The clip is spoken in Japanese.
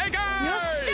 よっしゃ！